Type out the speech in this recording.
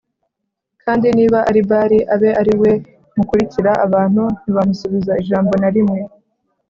kandi niba ari Bāli abe ari we mukurikira” Abantu ntibamusubiza ijambo na rimwe